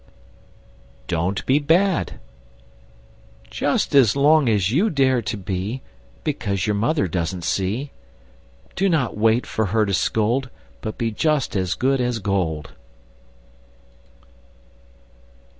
[Illustration: Don't be Bad] DON'T BE BAD Just as long as you dare to be, Because your mother doesn't see. Do not wait for her to scold, But be just as good as gold!